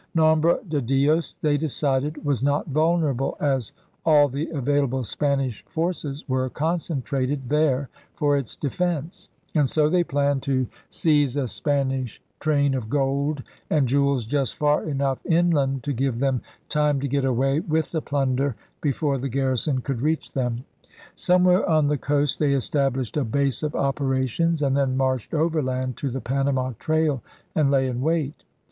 Nombre de Dios, they decided, was not vulnerable, as all the available Spanish forces were concentrated there for its defence, and so they planned to seize DRAKE'S BEGINNING 113 a Spanish train of gold and jewels just far enough inland to give them time to get away with the plunder before the garrison could reach them. Somewhere on the coast they established a base of operations and then marched overland to the Panama trail and lay in wait.